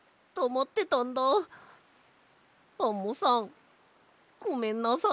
アンモさんごめんなさい！